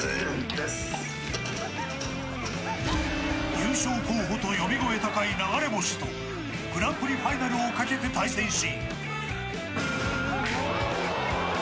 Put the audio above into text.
優勝候補と呼び声高い流れ星☆とグランプリファイナルをかけて対戦し。